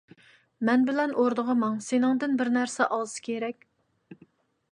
مەن بىلەن ئوردىغا ماڭ، سېنىڭدىن بىر نەرسە ئالسا كېرەك.